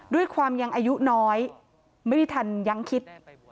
ด้วยความยังอายุน้อยไม่ได้ทันยังคิด